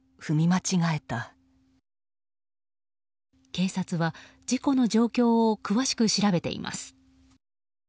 警察は事故の状況を詳しく調べています。